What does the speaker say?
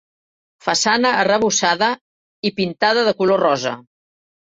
Façana arrebossada i pintada de color rosa.